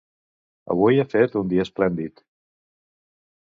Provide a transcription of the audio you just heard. Avui ha fet un dia esplèndid.